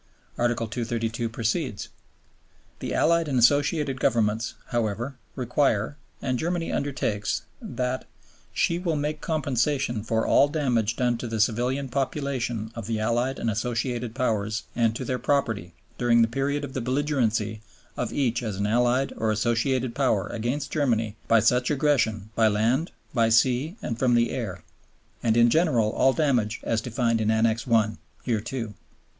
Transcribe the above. Article 232 proceeds: "The Allied and Associated Governments, however, require, and Germany undertakes, that _she will make compensation for all damage done to the civilian population of the Allied and Associated Powers and to their property_ during the period of the belligerency of each as an Allied or Associated Power against Germany by such aggression by land, by sea, and from the air, and in general all damage as defined in Annex I. hereto."